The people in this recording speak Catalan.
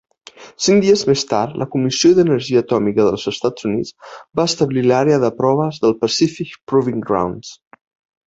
Cinc dies més tard, la Comissió d'Energia Atòmica dels Estats Units va establir l'àrea de proves del Pacífic Proving Grounds.